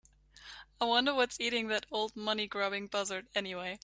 I wonder what's eating that old money grubbing buzzard anyway?